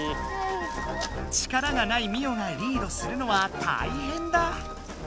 力がないミオがリードするのはたいへんだ。